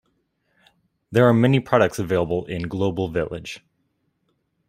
There are many products available in Global Village.